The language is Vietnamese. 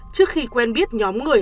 trước khi quen biết nhóm người